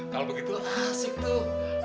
kalau begitu asik tuh